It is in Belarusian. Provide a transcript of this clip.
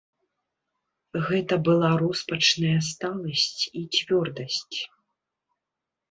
Гэта была роспачная сталасць і цвёрдасць.